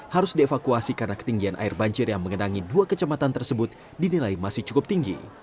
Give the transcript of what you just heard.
harus dievakuasi karena ketinggian air banjir yang mengenangi dua kecamatan tersebut dinilai masih cukup tinggi